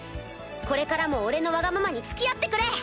これからも俺のわがままに付き合ってくれ！